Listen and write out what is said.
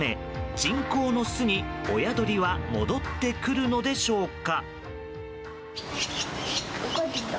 人工の巣に親鳥は戻ってくるのでしょうか。